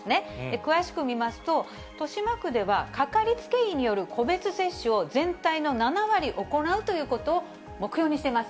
詳しく見ますと、豊島区では掛かりつけ医による個別接種を全体の７割行うということを目標にしてます。